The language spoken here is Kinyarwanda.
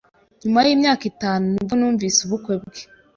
Nyuma yimyaka itanu nibwo numvise ubukwe bwe.